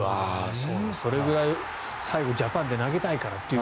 それぐらい最後、ジャパンで投げたいからっていう。